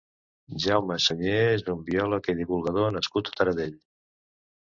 Jaume Sañé és un biòleg i divulgador nascut a Taradell.